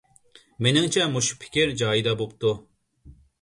مېنىڭچە، مۇشۇ پىكىر جايىدا بوپتۇ.